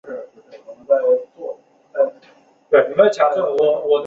上层每面均塑有千佛或菩萨。